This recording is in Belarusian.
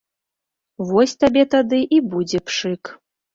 Вось табе тады і будзе пшык.